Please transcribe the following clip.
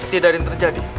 tidak ada yang terjadi